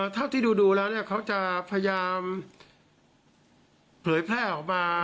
เท่าที่ดูแล้วเขาจะพยายามเผยแพร่ออกมา